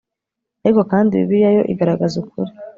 ariko kandi bibiliya yo igaragaza ukuri